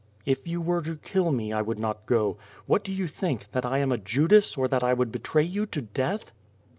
"If you were to kill me, I would not go. What do you think? That I am a Judas, or that I would betray you to death?"